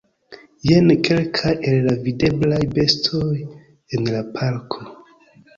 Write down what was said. Jen kelkaj el la videblaj bestoj en la parko.